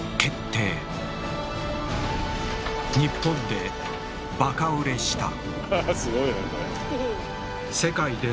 世界でもバカ売れした。